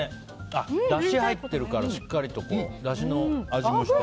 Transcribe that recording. だしが入ってるからしっかりと、だしの味もして。